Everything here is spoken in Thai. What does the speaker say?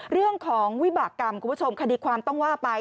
เรื่องของวิบากรรมคุณผู้ชมคดีความต้องว่าไป